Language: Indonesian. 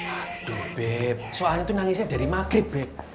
aduh beb soalnya tuh nangisnya dari maghrib beb